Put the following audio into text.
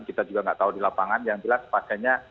kita juga nggak tahu di lapangan yang jelas pasiennya